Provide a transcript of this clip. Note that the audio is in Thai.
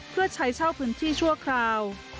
เพื่อใช้เช่าพื้นที่ชั่วคราว